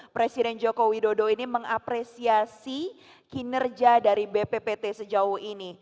presiden joko widodo ini mengapresiasi kinerja dari bppt sejauh ini